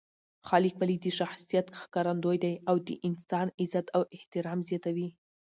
ښه لیکوالی د شخصیت ښکارندوی دی او د انسان عزت او احترام زیاتوي.